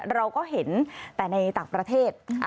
เราก็เห็นแต่ในต่างประเทศ